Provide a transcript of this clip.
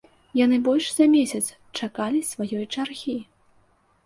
Яны больш за месяц чакалі сваёй чаргі.